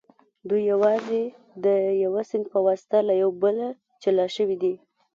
دوی یوازې د یوه سیند په واسطه له یو بله جلا شوي دي